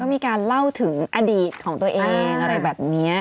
มีการเล่าถึงอดีตของตัวเองอะไรแบบนี้